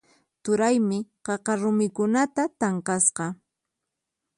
Turaymi qaqa rumikunata tanqasqa.